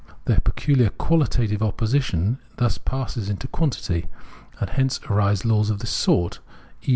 Their peculiar qualita tive opposition thus passes into quantity ; and hence arise laws of this sort, e.